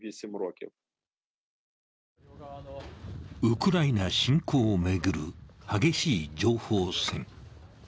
ウクライナ侵攻を巡る激しい情報戦。